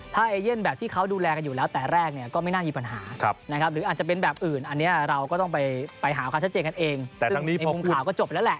แต่ทั้งนี้ในมุมข่าวก็จบแล้วแหละ